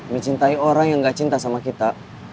mencintai orang yang gak cinta sama kita